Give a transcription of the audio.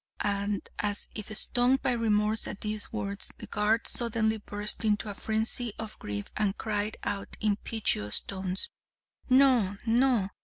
And as if stung by remorse at these words, the guard suddenly burst into a frenzy of grief and cried out in piteous tones: 'No, no!